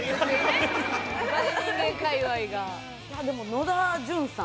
野田潤さん。